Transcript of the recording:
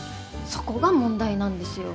そこが問題なんですよ。